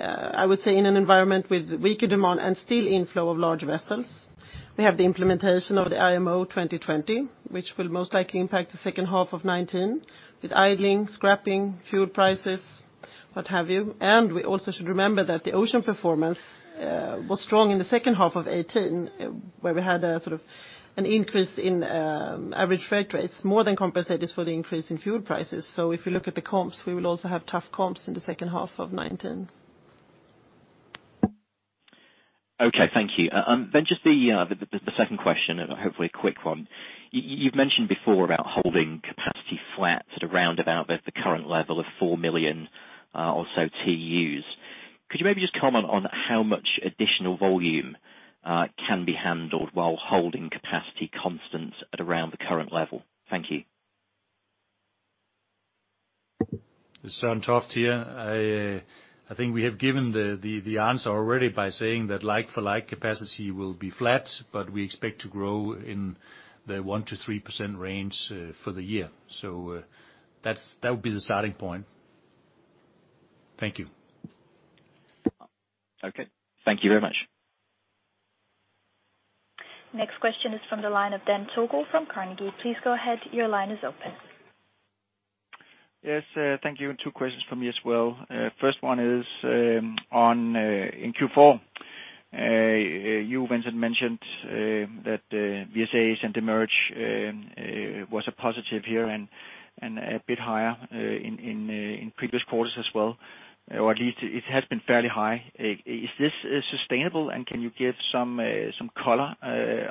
I would say in an environment with weaker demand and still inflow of large vessels, we have the implementation of the IMO 2020, which will most likely impact the second half of 2019 with idling, scrapping, fuel prices, what have you. We also should remember that the ocean performance was strong in the second half of 2018, where we had a sort of an increase in average freight rates, more than compensated for the increase in fuel prices. If you look at the comps, we will also have tough comps in the second half of 2019. Okay. Thank you. Just the second question, hopefully a quick one. You've mentioned before about holding capacity flat at around about the current level of 4 million TEUs. Could you maybe just comment on how much additional volume can be handled while holding capacity constant at around the current level? Thank you. Søren Toft here. I think we have given the answer already by saying that like-for-like capacity will be flat, we expect to grow in the 1%-3% range for the year. That would be the starting point. Thank you. Okay. Thank you very much. Next question is from the line of Dan Togel from Carnegie. Please go ahead. Your line is open. Yes, thank you. Two questions from me as well. First one is, in Q4, you, Vincent, mentioned that the VSAs and the merge was a positive here and a bit higher in previous quarters as well, or at least it has been fairly high. Is this sustainable, and can you give some color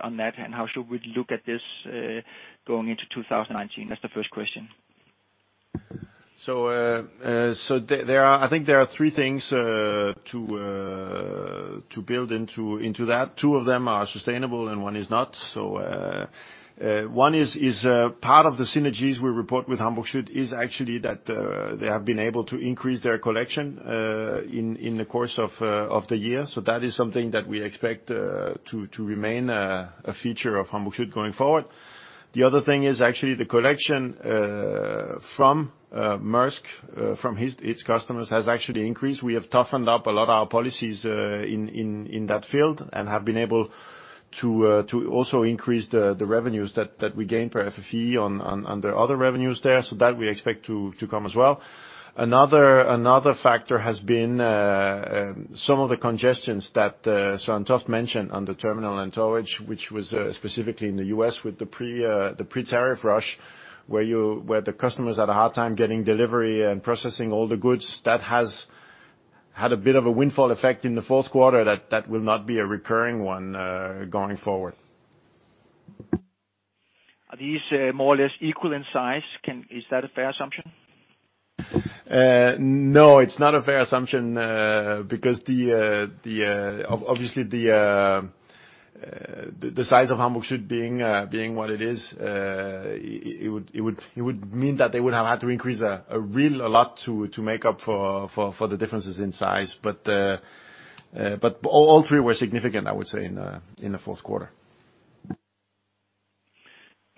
on that? How should we look at this going into 2019? That's the first question. I think there are three things to build into that. Two of them are sustainable and one is not. One is part of the synergies we report with Hamburg Süd is actually that they have been able to increase their collection in the course of the year. That is something that we expect to remain a feature of Hamburg Süd going forward. The other thing is actually the collection from Maersk, from its customers, has actually increased. We have toughened up a lot of our policies in that field and have been able to also increase the revenues that we gain per FFE under other revenues there, so that we expect to come as well. Another factor has been some of the congestions that Søren Toft mentioned on the terminal and towage, which was specifically in the U.S. with the pre-tariff rush, where the customers had a hard time getting delivery and processing all the goods. That has had a bit of a windfall effect in the fourth quarter that will not be a recurring one going forward. Are these more or less equal in size? Is that a fair assumption? No, it is not a fair assumption, because, obviously the size of Hamburg Süd being what it is, it would mean that they would have had to increase a lot to make up for the differences in size. All three were significant, I would say, in the fourth quarter.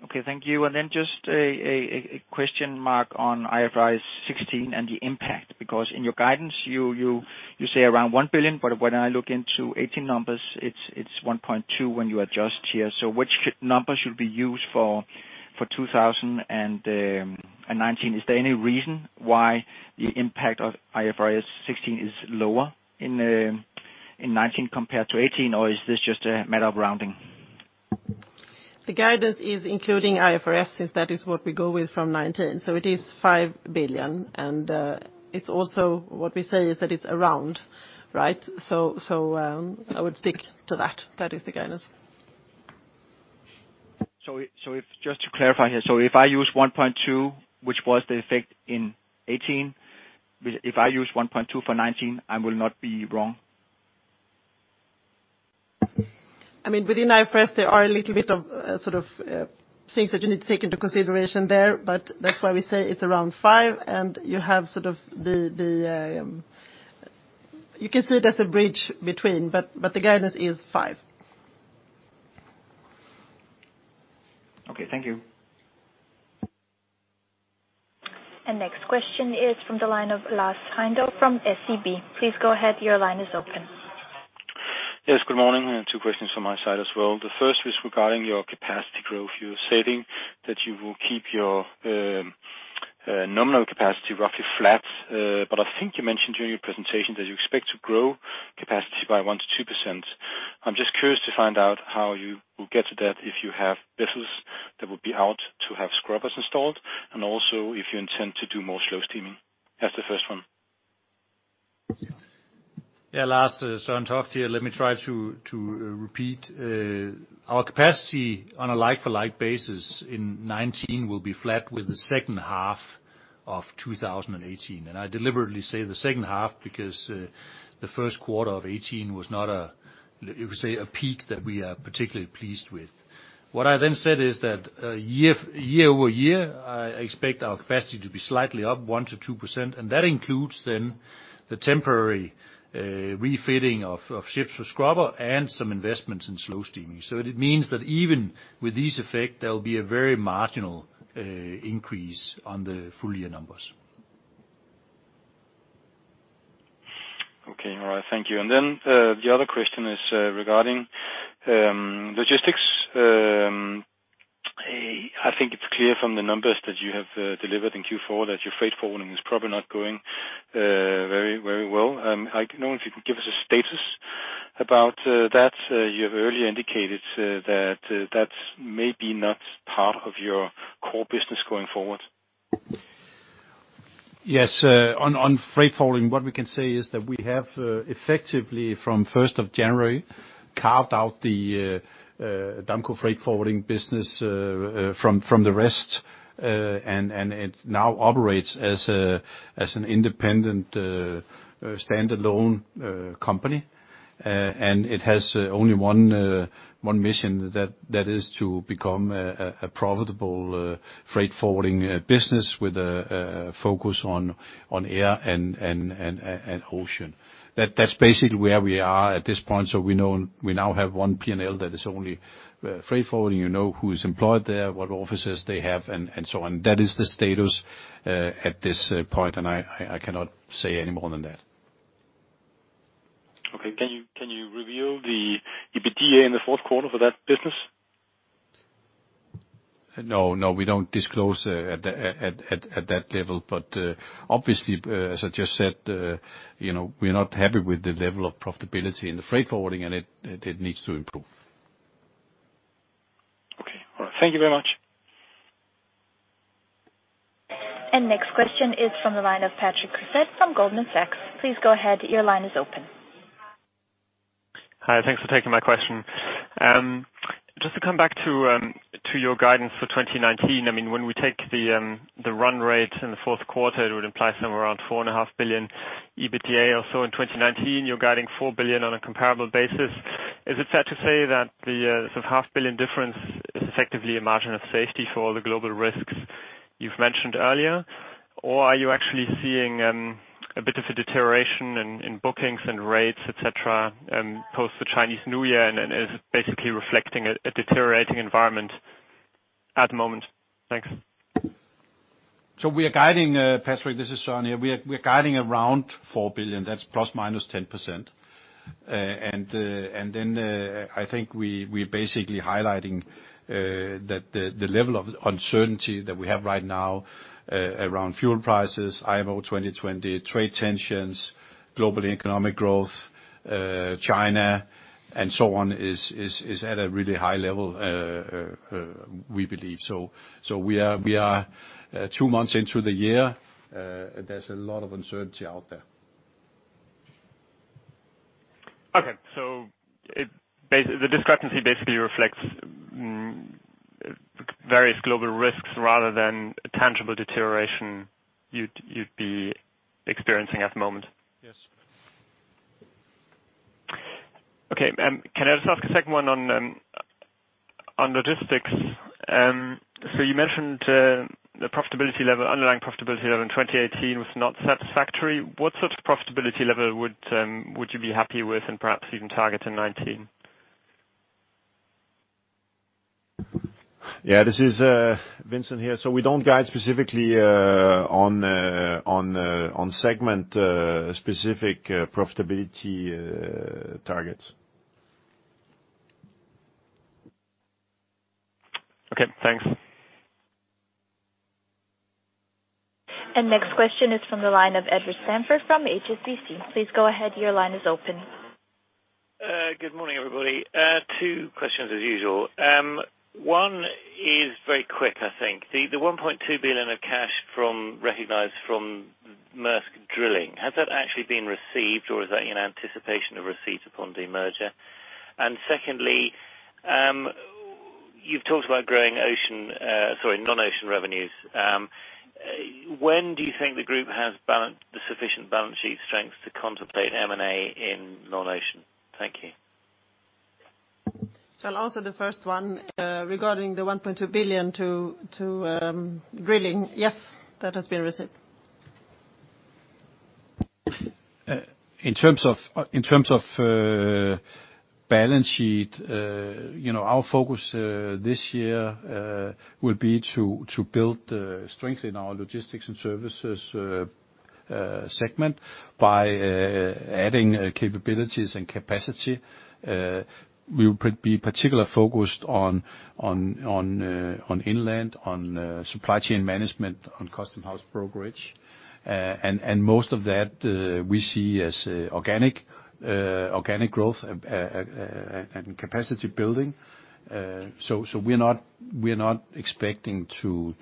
Okay, thank you. Then just a question mark on IFRS 16 and the impact, because in your guidance, you say around 1 billion, but when I look into 2018 numbers, it is 1.2 billion when you adjust here. Which number should we use for 2019? Is there any reason why the impact of IFRS 16 is lower in 2019 compared to 2018, or is this just a matter of rounding? The guidance is including IFRS, since that is what we go with from 2019. It is 5 billion, and it is also what we say is that it is around, right? I would stick to that. That is the guidance. Just to clarify here, if I use 1.2, which was the effect in 2018, if I use 1.2 for 2019, I will not be wrong? Within IFRS, there are a little bit of things that you need to take into consideration there. That is why we say it is around 5 billion. You can see it as a bridge between. The guidance is 5 billion. Okay, thank you. Next question is from the line of Lars Heindorff from SEB. Please go ahead, your line is open. Yes, good morning. Two questions from my side as well. The first is regarding your capacity growth. You're saying that you will keep your nominal capacity roughly flat, but I think you mentioned during your presentation that you expect to grow capacity by 1%-2%. I'm just curious to find out how you will get to that if you have vessels that will be out to have scrubbers installed, and also if you intend to do more slow steaming. That's the first one. Lars, Søren Toft here. Let me try to repeat. Our capacity on a like-for-like basis in 2019 will be flat with the second half of 2018. I deliberately say the second half because the first quarter of 2018 was not, you could say, a peak that we are particularly pleased with. What I then said is that year-over-year, I expect our capacity to be slightly up 1%-2%, and that includes then the temporary refitting of ships for scrubber and some investments in slow steaming. It means that even with this effect, there will be a very marginal increase on the full year numbers. Okay. All right. Thank you. Then, the other question is regarding logistics. I think it's clear from the numbers that you have delivered in Q4 that your freight forwarding is probably not going very well. I don't know if you can give us a status about that. You have earlier indicated that that's maybe not part of your core business going forward. Yes. On freight forwarding, what we can say is that we have effectively from 1st of January carved out the Damco freight forwarding business from the rest It now operates as an independent standalone company. It has only one mission, that is to become a profitable freight forwarding business with a focus on air and ocean. That is basically where we are at this point. We now have one P&L that is only freight forwarding. You know who's employed there, what offices they have, and so on. That is the status at this point, and I cannot say any more than that. Okay. Can you reveal the EBITDA in the fourth quarter for that business? No, we do not disclose at that level. Obviously, as I just said, we are not happy with the level of profitability in the freight forwarding, and it needs to improve. Okay. All right. Thank you very much. Next question is from the line of Patrick Creuset from Goldman Sachs. Please go ahead, your line is open. Hi, thanks for taking my question. Just to come back to your guidance for 2019. When we take the run rate in the fourth quarter, it would imply somewhere around 4.5 billion EBITDA or so in 2019. You're guiding 4 billion on a comparable basis. Is it fair to say that the sort of DKK half billion difference is effectively a margin of safety for all the global risks you've mentioned earlier? Are you actually seeing a bit of a deterioration in bookings and rates, et cetera, post the Chinese New Year, and is basically reflecting a deteriorating environment at the moment? Thanks. We are guiding, Patrick, this is Søren here. We are guiding around 4 billion, that's plus or minus 10%. I think we're basically highlighting that the level of uncertainty that we have right now around fuel prices, IMO 2020, trade tensions, global economic growth, China, and so on, is at a really high level, we believe. We are two months into the year. There's a lot of uncertainty out there. Okay. The discrepancy basically reflects various global risks rather than a tangible deterioration you'd be experiencing at the moment. Yes. Okay. Can I just ask a second one on logistics? You mentioned the underlying profitability level in 2018 was not satisfactory. What sort of profitability level would you be happy with, and perhaps even target in 2019? Yeah, this is Vincent here. We don't guide specifically on segment-specific profitability targets. Okay, thanks. Next question is from the line of Edward Stanford from HSBC. Please go ahead, your line is open. Good morning, everybody. Two questions as usual. One is very quick, I think. The 1.2 billion of cash recognized from Maersk Drilling, has that actually been received or is that in anticipation of receipt upon demerger? Secondly, you've talked about growing non-ocean revenues. When do you think the group has sufficient balance sheet strength to contemplate M&A in non-ocean? Thank you. I'll answer the first one. Regarding the 1.2 billion to drilling. Yes, that has been received. In terms of balance sheet, our focus this year will be to build strength in our logistics and services segment by adding capabilities and capacity. We will be particularly focused on inland, on supply chain management, on custom house brokerage. Most of that we see as organic growth and capacity building. We are not expecting to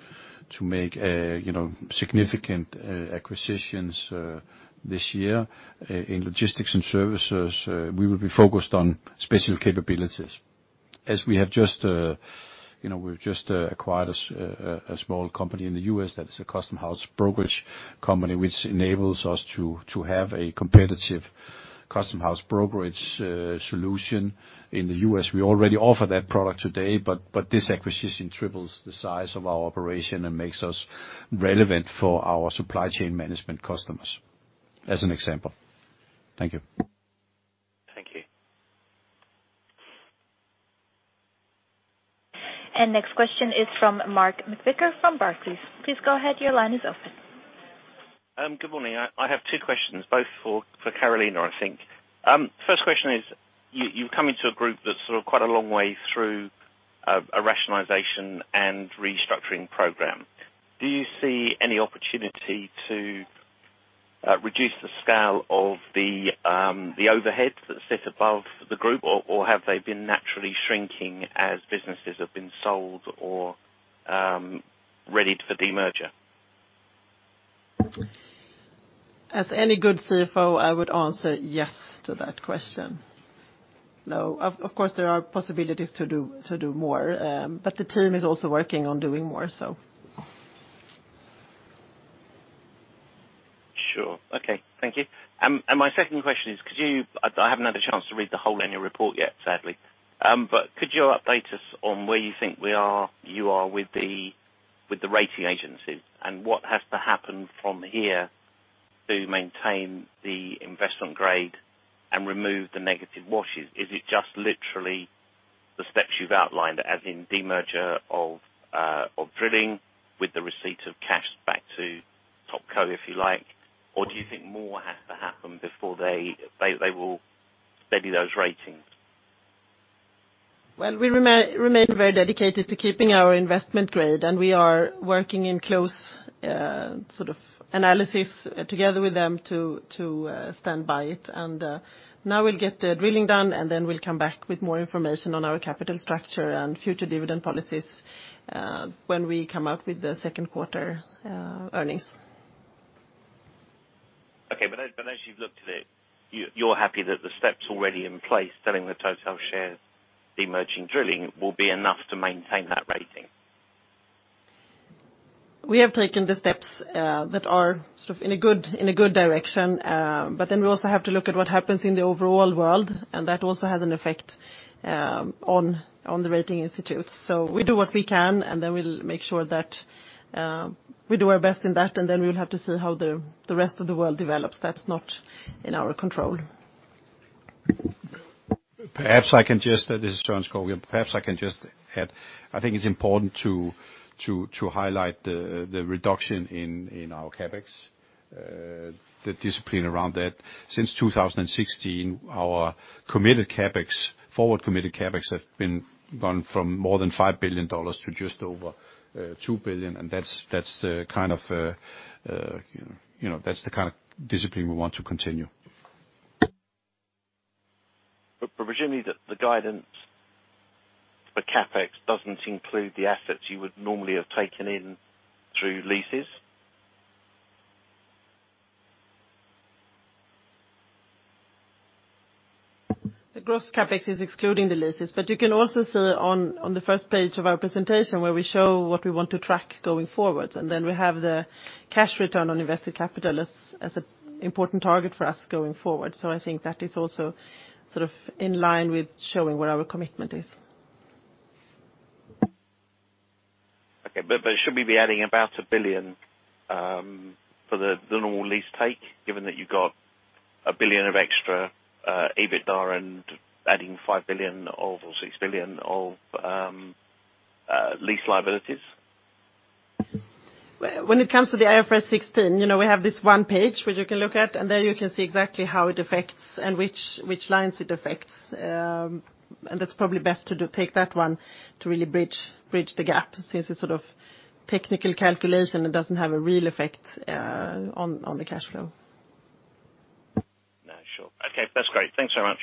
make significant acquisitions this year in logistics and services. We will be focused on special capabilities. As we've just acquired a small company in the U.S. that is a custom house brokerage company, which enables us to have a competitive custom house brokerage solution in the U.S. We already offer that product today, but this acquisition triples the size of our operation and makes us relevant for our supply chain management customers, as an example. Thank you. Thank you. Next question is from Mark McVicar from Barclays. Please go ahead, your line is open. Good morning. I have two questions both for Carolina, I think. First question is, you've come into a group that's sort of quite a long way through a rationalization and restructuring program. Do you see any opportunity to reduce the scale of the overheads that sit above the group, or have they been naturally shrinking as businesses have been sold or readied for demerger? As any good CFO, I would answer yes to that question. No, of course, there are possibilities to do more, but the team is also working on doing more. Sure. Okay. Thank you. My second question is, I haven't had a chance to read the whole annual report yet, sadly. Could you update us on where you think you are with the rating agencies, what has to happen from here to maintain the investment grade and remove the negative watch? Is it just literally the steps you've outlined as in demerger of drilling with the receipt of cash back to top co, if you like, or do you think more has to happen before they will steady those ratings? Well, we remain very dedicated to keeping our investment grade. We are working in close analysis together with them to stand by it. Now we'll get the drilling done. We'll come back with more information on our capital structure and future dividend policies when we come out with the second quarter earnings. Okay. As you've looked at it, you're happy that the steps already in place, selling the Total shares, demerging drilling, will be enough to maintain that rating. We have taken the steps that are in a good direction. We also have to look at what happens in the overall world. That also has an effect on the rating institutes. We do what we can. We'll make sure that we do our best in that. We'll have to see how the rest of the world develops. That's not in our control. This is Søren Skou. Perhaps I can just add, I think it's important to highlight the reduction in our CapEx, the discipline around that. Since 2016, our forward committed CapEx have gone from more than DKK 5 billion to just over 2 billion. That's the kind of discipline we want to continue. Presumably the guidance for CapEx doesn't include the assets you would normally have taken in through leases. The gross CapEx is excluding the leases. You can also see on the first page of our presentation where we show what we want to track going forward. We have the cash return on invested capital as an important target for us going forward. I think that is also in line with showing what our commitment is. Okay. Should we be adding about 1 billion for the normal lease take, given that you got 1 billion of extra EBITDA and adding 5 billion or 6 billion of lease liabilities? When it comes to the IFRS 16, we have this one page which you can look at, there you can see exactly how it affects and which lines it affects. It's probably best to take that one to really bridge the gap since it's technical calculation, it doesn't have a real effect on the cash flow. No, sure. Okay. That's great. Thanks so much.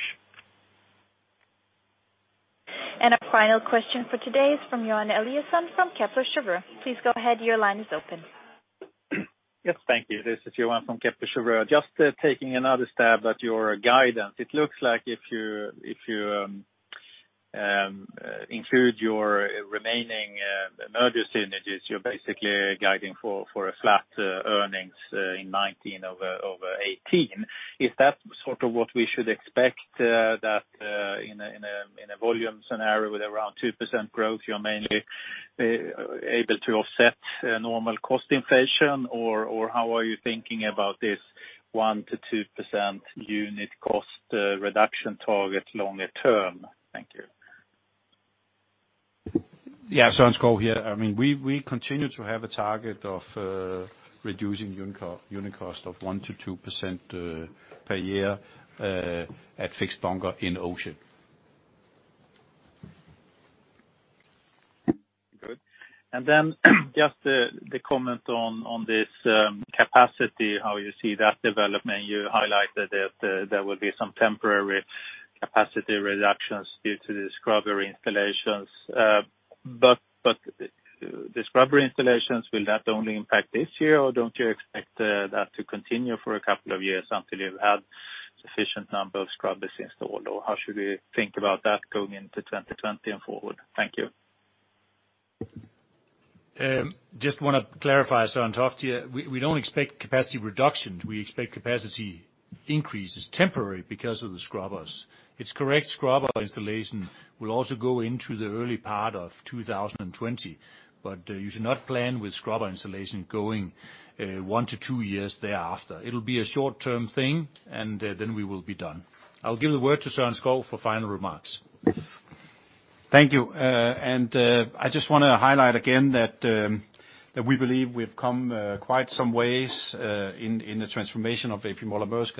Our final question for today is from Johan Eliason from Kepler Cheuvreux. Please go ahead. Your line is open. Yes. Thank you. This is Johan from Kepler Cheuvreux. Just taking another stab at your guidance. It looks like if you include your remaining merger synergies, you're basically guiding for a flat earnings in 2019 over 2018. Is that sort of what we should expect that in a volume scenario with around 2% growth, you're mainly able to offset normal cost inflation, or how are you thinking about this 1% to 2% unit cost reduction target longer term? Thank you. Yeah. Søren Skou here. We continue to have a target of reducing unit cost of 1%-2% per year at fixed bunker in ocean. Good. Then just the comment on this capacity, how you see that development. You highlighted that there will be some temporary capacity reductions due to the scrubber installations. The scrubber installations, will that only impact this year, or don't you expect that to continue for a couple of years until you've had sufficient number of scrubbers installed, or how should we think about that going into 2020 and forward? Thank you. Just want to clarify, Søren Toft here. We don't expect capacity reductions. We expect capacity increases temporary because of the scrubbers. It's correct, scrubber installation will also go into the early part of 2020. You should not plan with scrubber installation going one to two years thereafter. It'll be a short-term thing, and then we will be done. I'll give the word to Søren Skou for final remarks. Thank you. I just want to highlight again that we believe we've come quite some ways in the transformation of A.P. Moller - Maersk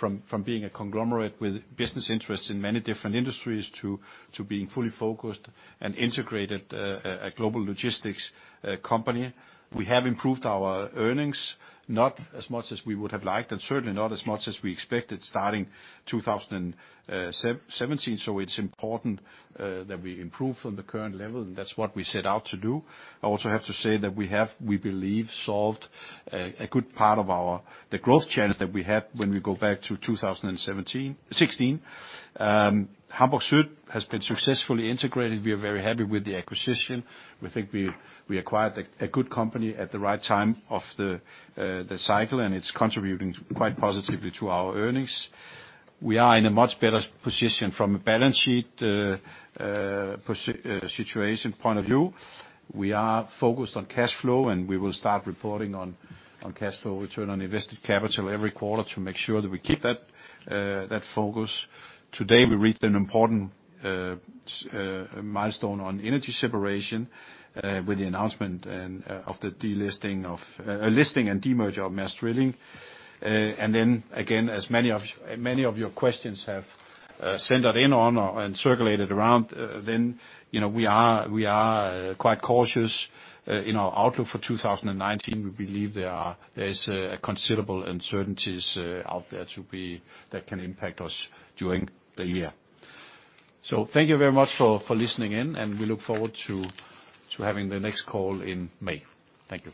from being a conglomerate with business interests in many different industries to being fully focused and integrated a global logistics company. We have improved our earnings, not as much as we would have liked, and certainly not as much as we expected starting 2017. It's important that we improve from the current level, and that's what we set out to do. I also have to say that we have, we believe, solved a good part of the growth challenge that we had when we go back to 2016. Hamburg Süd has been successfully integrated. We are very happy with the acquisition. We think we acquired a good company at the right time of the cycle, and it's contributing quite positively to our earnings. We are in a much better position from a balance sheet situation point of view. We are focused on cash flow, and we will start reporting on cash flow return on invested capital every quarter to make sure that we keep that focus. Today, we reached an important milestone on energy separation with the announcement of the listing and demerger of Maersk Drilling. Again, as many of your questions have centered in on and circulated around, then we are quite cautious in our outlook for 2019. We believe there's considerable uncertainties out there that can impact us during the year. Thank you very much for listening in, and we look forward to having the next call in May. Thank you.